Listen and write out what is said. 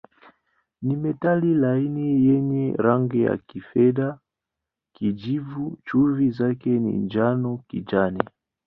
Ni metali laini yenye rangi ya kifedha-kijivu, chumvi zake ni njano-kijani.